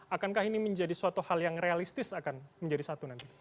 akankah ini menjadi suatu hal yang realistis akan menjadi satu nanti